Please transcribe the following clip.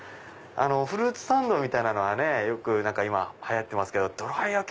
フルーツサンドみたいなのは今流行ってますけどどら焼き